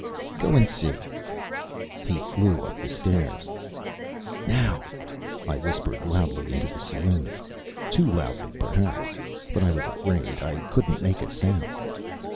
"Go and see." He flew up the stairs. "Now," I whispered, loudly, into the saloon too loudly, perhaps, but I was afraid I couldn't make a sound.